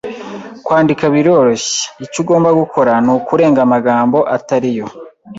Kwandika biroroshye. Icyo ugomba gukora nukurenga amagambo atari yo.